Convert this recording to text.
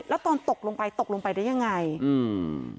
แล้วตอนตกลงไปตกลงไปได้ยังไงอืม